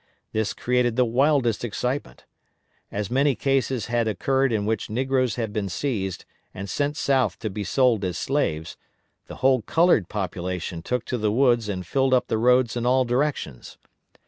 This created the wildest excitement. As many cases had occurred in which negroes had been seized, and sent South to be sold as slaves, the whole colored population took to the woods and filled up the roads in all directions.